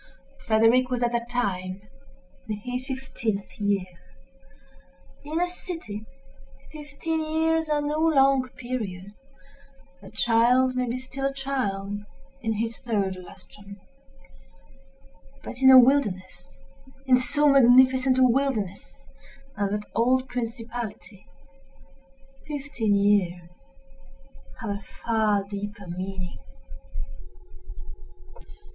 Frederick was, at that time, in his fifteenth year. In a city, fifteen years are no long period—a child may be still a child in his third lustrum: but in a wilderness—in so magnificent a wilderness as that old principality, fifteen years have a far deeper meaning.